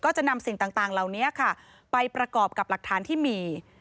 จะนำสิ่งต่างเหล่านี้ค่ะไปประกอบกับหลักฐานที่มี